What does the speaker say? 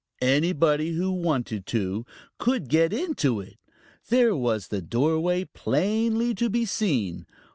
Anybody who wanted to could get into it. There was the doorway plainly to be seen.